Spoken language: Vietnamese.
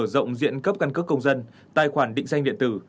rộng diện cấp căn cước công dân tài khoản định danh điện tử